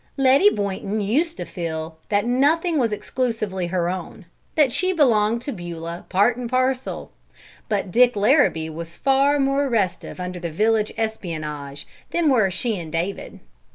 Letty Boynton used to feel that nothing was exclusively her own; that she belonged to Beulah part and parcel; but Dick Larrabee was far more restive under the village espionage than were she and David.